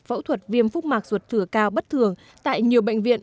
phẫu thuật viêm phúc mạc ruột thừa cao bất thường tại nhiều bệnh viện